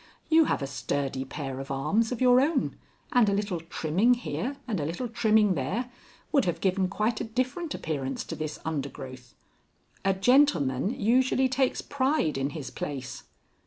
"You have a sturdy pair of arms of your own, and a little trimming here and a little trimming there would have given quite a different appearance to this undergrowth. A gentleman usually takes pride in his place."